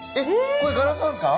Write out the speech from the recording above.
これガラスなんですか？